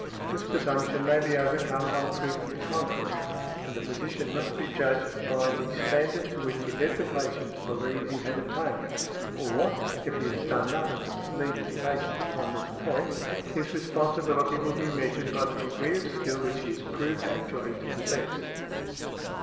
This presumption may be overcome by proof to the contrary; and the physician must be judged by the |62| standard to which he led the patient to believe he had attained; or, if he has done nothing to mislead his patient upon this point, his responsibility will be measured by the degree of skill which he is proved actually to possess .